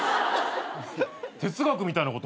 哲学みたいなこと？